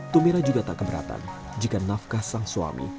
tumira juga tak keberatan jika nafkah sang suami